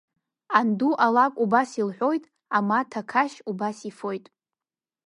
Анду алакә убас илҳәоит, амаҭа ақашь убас ифоит…